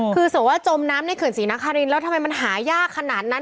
ถือหาจมน้ำในเกริ่งศรีนคริ้นแล้วทำไมมันหายากขนาดนั้น